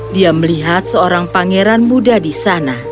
dia melihat seorang pangeran muda di sana